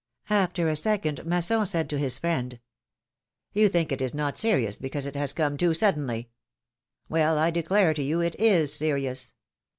After a second Masson said to his friend : You think it is not serious, because it has come too suddenly. Well ! I declare to you, it is serious.